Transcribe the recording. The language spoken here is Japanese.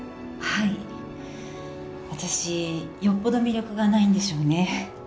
はい私よっぽど魅力がないんでしょうね